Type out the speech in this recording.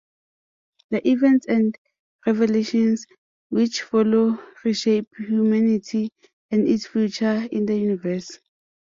The events and revelations which follow reshape humanity and its future in the universe.